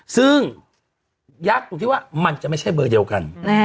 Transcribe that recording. ซึ่งยากตรงที่ว่ามันจะไม่ใช่เบอร์เดียวกัน